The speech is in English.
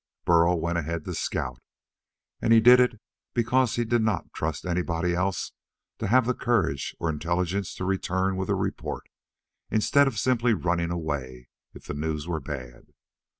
Burl went ahead to scout. And he did it because he did not trust anybody else to have the courage or intelligence to return with a report, instead of simply running away if the news were bad.